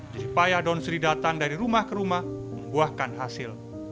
jadi payah don sri datang dari rumah ke rumah membuahkan hasil